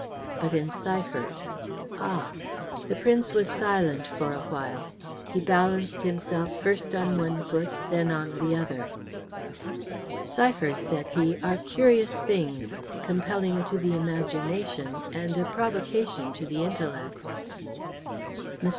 "But in cipher." "Ah!" The Prince was silent for a while. He balanced himself first on one foot, then on the other. "Ciphers," said he, "are curious things, compelling to the imagination and a provocation to the intellect." Mr.